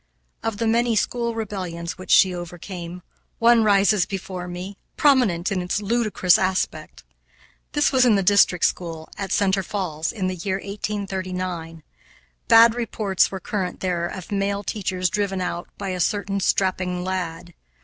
Of the many school rebellions which she overcame, one rises before me, prominent in its ludicrous aspect. This was in the district school at Center Falls, in the year 1839. Bad reports were current there of male teachers driven out by a certain strapping lad.